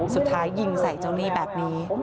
สุดท้ายยิงใส่เจ้าหนี้แบบนี้